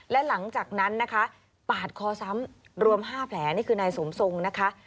และหลังจากนั้นนะคะปาดคอซ้ำรวม๕แผลนี่คือนายสมทรงนะคะ